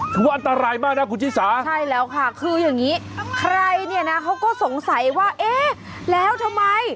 ถือว่าอันตรายมากนะคุณชิสาใช่แล้วค่ะคืออย่างนี้ใครเนี่ยนะเขาก็สงสัยว่าเอ๊ะแล้วทำไม